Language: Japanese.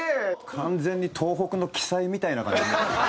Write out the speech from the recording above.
完全に東北の奇祭みたいな感じに。